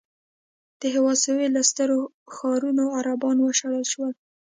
د هېواد سوېل له سترو ښارونو عربان وشړل شول.